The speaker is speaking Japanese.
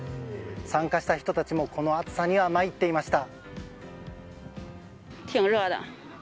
参加した人たちも、この暑さには参っていました。